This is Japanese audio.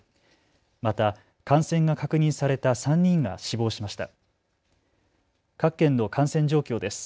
また感染が確認された３人が死亡しました。